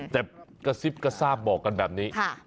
แต่กระซิบกระซาบบอกกันแบบนี้